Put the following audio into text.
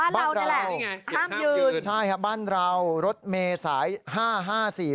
บ้านเรานี่แหละนี่ไงห้ามยืนใช่ฮะบ้านเรารถเมสายห้าห้าสี่